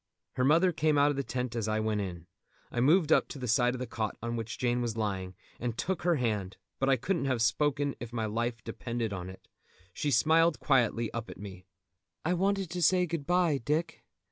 Her mother came out of the tent as I went in. I moved up to the side of the cot on which Jane was lying, and took her hand, but I couldn't have spoken if my life depended on it. She smiled quietly up at me. "I wanted to say good bye, Dick.